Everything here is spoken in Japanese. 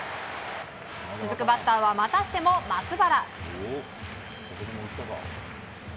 続くバッターはまたしても松原。